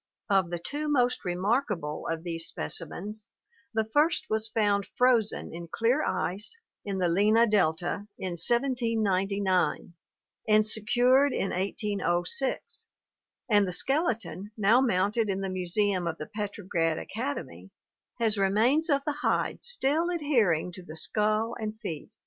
Of the two most remarkable of these specimens the first was found frozen in clear ice in the Lena delta in 1799 anc* secured in 1806, and the skeleton, now mounted in the museum of the Petro grad Academy, has remains of the hide still adhering to the skull and feet.